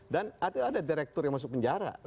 dan ada direktur yang masuk penjara